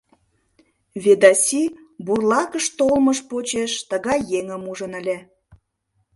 Ведаси бурлакыш толмыж почеш тыгай еҥым ужын ыле.